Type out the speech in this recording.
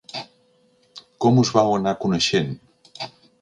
Com us vau anar coneixent?